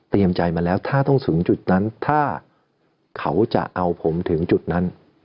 ใจมาแล้วถ้าต้องสูงจุดนั้นถ้าเขาจะเอาผมถึงจุดนั้น